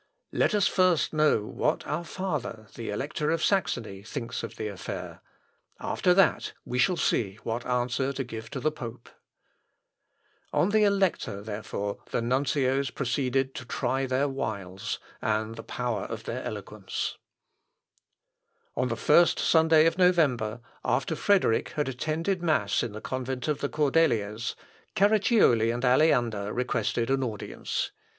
Let us first know what our father, the Elector of Saxony, thinks of the affair; after that, we shall see what answer to give to the pope." On the Elector, therefore, the nuncios proceeded to try their wiles, and the power of their eloquence. "Audiamus antea hac in re patrem nostrum Fredericum." (L. Op. Lat., ii, p. 117.) On the first Sunday of November, after Frederick had attended mass in the convent of the Cordeliers, Carracioli and Aleander requested an audience.